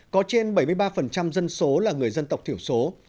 có trên bảy mươi ba dân số là người dân tộc thiểu số